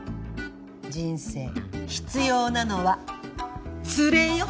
人生必要なのはツレよ。